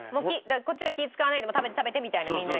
こっちは気使わないで食べて食べてみたいなみんなに。